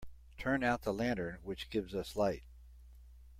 Turn out the lantern which gives us light.